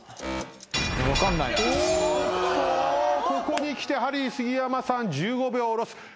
ここにきてハリー杉山さん１５秒ロス。